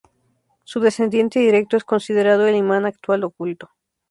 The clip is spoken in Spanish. Su descendiente directo es considerado el Iman actual oculto.